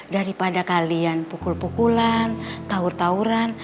daripada kalian pukul pukulan taur tauran